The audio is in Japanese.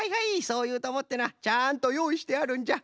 そういうとおもってなちゃんとよういしてあるんじゃ。